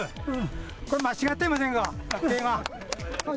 これ、間違ってませんか。